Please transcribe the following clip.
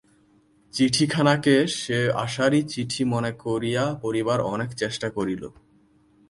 চিঠিখানাকে সে আশারই চিঠি মনে করিয়া পড়িবার অনেক চেষ্টা করিল।